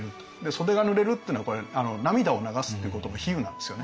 袖がぬれるっていうのはこれ涙を流すってことの比喩なんですよね。